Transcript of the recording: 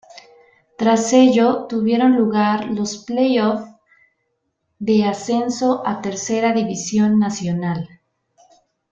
Tras ello tuvieron lugar los "play-off" de ascenso a Tercera División Nacional.